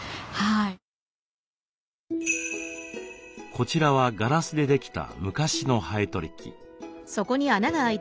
こちらはガラスでできた昔のハエ取り器。